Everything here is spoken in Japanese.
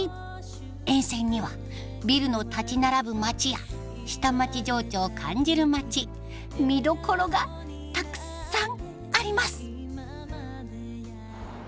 沿線にはビルの立ち並ぶ街や下町情緒を感じる街見どころがたくさんあります。